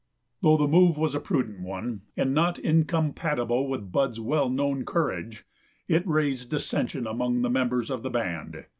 Though the move was a prudent one, and not incompatible with Bud's well known courage, it raised dissension among the members of the band.